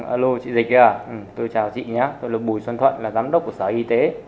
alo chị dịch kìa tôi chào chị nhé tôi là bùi thuận là giám đốc của sở y tế